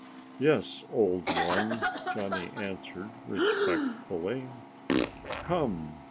"Yes, old one," Johnny answered respectfully. "Come!"